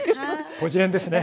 ぽじれんですね！